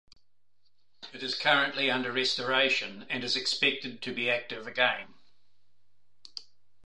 It is currently under restoration and is expected to be active again.